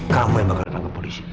kamu yang akan dipanggil polisi